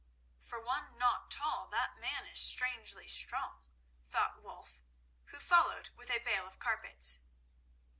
"For one not tall that man is strangely strong," thought Wulf, who followed with a bale of carpets.